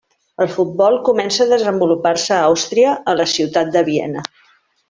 El futbol comença a desenvolupar-se a Àustria a la ciutat de Viena.